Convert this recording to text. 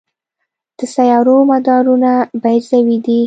د سیارو مدارونه بیضوي دي.